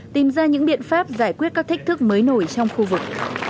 tìm ra những biện pháp giải quyết các thách thức mới nổi trong khu vực